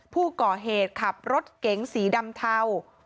ผู้ก่อเหตุขับรถเก๋งสีดำเทา